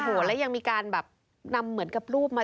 โอ้โหแล้วยังมีการแบบนำเหมือนกับรูปมา